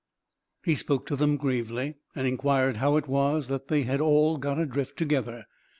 He spoke to them gravely, and inquired how it was that they had all got adrift, together.